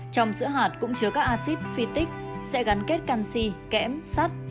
trong sữa hạt cũng chứa các acid phi tích sẽ gắn kết canxi kẽm sắt